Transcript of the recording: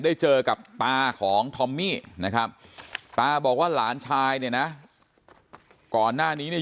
ได้เจอกับตาของทอมมี่นะครับตาบอกว่าหลานชายเนี่ยนะก่อนหน้านี้เนี่ย